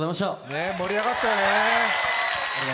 盛り上がったよね。